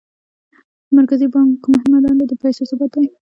د مرکزي بانک مهمه دنده د پیسو ثبات دی.